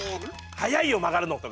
「早いよ曲がるの！」とか。